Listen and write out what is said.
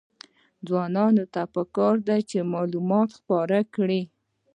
ځوانانو ته پکار ده چې، معلومات خپاره کړي.